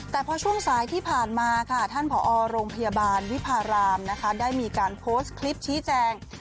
แต่พอช่วงสายที่ผ่านมาค่ะท่านผอโรงพยาบาลวิพารามนะคะได้มีการโพสต์คลิปชี้แจง